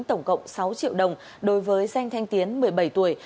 tổng cộng sáu triệu đồng đối với danh thanh tiến một mươi bảy tuổi